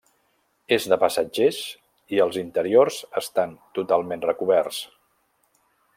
És de passatgers i els interiors estan totalment recoberts.